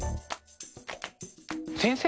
先生